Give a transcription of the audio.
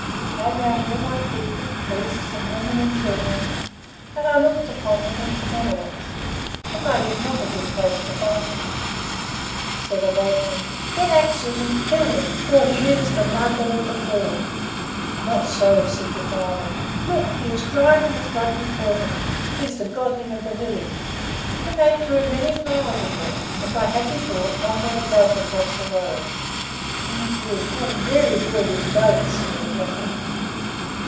Came out all my people, priests and women and children, and I looked upon them with benevolence. The mud is not a good place to fight in. Said a boatman, 'Get axes and kill him, for he is the Mugger of the ford.' 'Not so,' said the Brahmin. 'Look, he is driving the flood before him! He is the godling of the village.' Then they threw many flowers at me, and by happy thought one led a goat across the road." "How good how very good is goat!" said the Jackal.